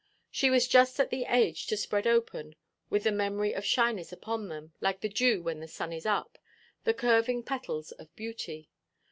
She was just at the age to spread open, with the memory of shyness upon them (like the dew when the sun is up), the curving petals of beauty.